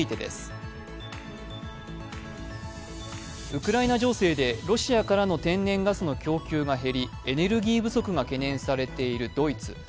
ウクライナ情勢でロシアからの天然ガスの供給が減り、エネルギー不足が懸念されているドイツ。